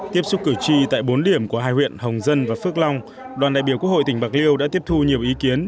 tiếp xúc cử tri tại bốn điểm của hai huyện hồng dân và phước long đoàn đại biểu quốc hội tỉnh bạc liêu đã tiếp thu nhiều ý kiến